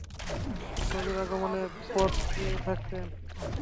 নতুন নবীর আগমনের পথ চেয়ে থাকতেন।